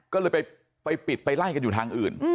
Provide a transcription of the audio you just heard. ก็เลยไปปิดไปไล่กันอยู่ทางอื่น